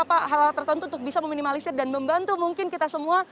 apa hal hal tertentu untuk bisa meminimalisir dan membantu mungkin kita semua